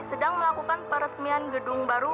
sedang melakukan peresmian gedung baru